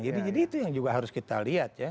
jadi itu yang juga harus kita lihat ya